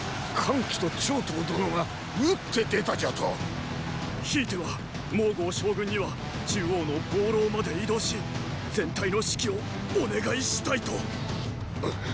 騎と張唐殿が討って出たじゃとっ⁉ひいては蒙将軍には中央の望楼まで移動し全体の指揮をお願いしたいと！！